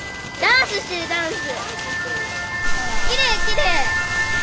きれいきれい。